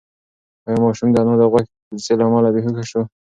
ایا ماشوم د انا د غوسې له امله بېهوښه شو؟